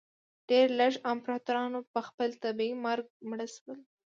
ډېر لږ امپراتوران په خپل طبیعي مرګ مړه شول.